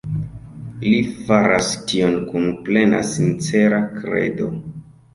Li faras tion kun plena sincera kredo.